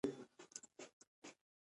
ژوندي له باران سره مینه لري